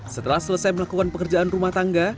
setelah selesai melakukan pekerjaan rumah tangga